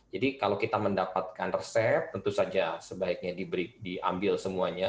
jadi kalau kita mendapatkan resep tentu saja sebaiknya diambil semuanya